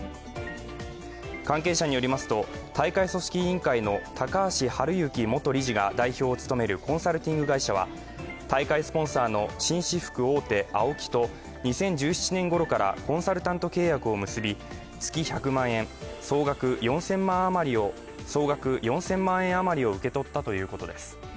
関係者によりますと大会組織委員会の高橋治之元理事が代表を務めるコンサルティング会社は大会スポンサーの紳士服大手・ＡＯＫＩと２０１７年ごろからコンサルタント契約を結び月１００万円、総額４０００万円余りを受け取ったということです。